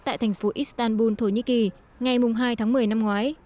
tại thành phố istanbul thổ nhĩ kỳ ngày hai tháng một mươi năm ngoái